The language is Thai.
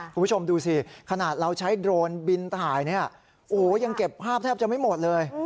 คุณผู้ชมดูสิขนาดเราใช้โดรนบินถ่ายเนี่ยโอ้โหยังเก็บภาพแทบจะไม่หมดเลย